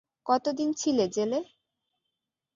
কতদিন ছিলে জেলে?